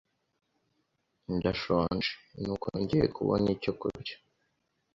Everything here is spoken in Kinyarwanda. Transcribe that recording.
Ndashonje, nuko ngiye kubona icyo kurya. (saeb)